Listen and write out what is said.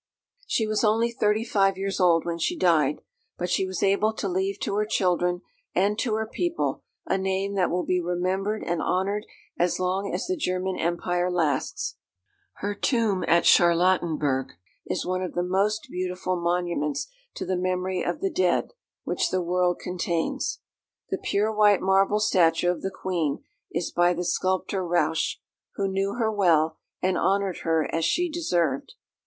She was only thirty five years old when she died; but she was able to leave to her children and to her people a name that will be remembered and honoured as long as the German Empire lasts. Her tomb at Charlottenburg is one of the most beautiful monuments to the memory of the dead, which the world contains. The pure white marble statue of the Queen is by the sculptor Rauch, who knew her well, and honoured her as she deserved.